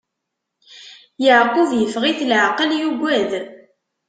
Yeɛqub iffeɣ-it leɛqel, yugad.